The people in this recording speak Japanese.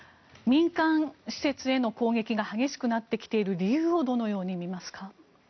民間施設への攻撃が激しくなってきている理由をどのように見ますか？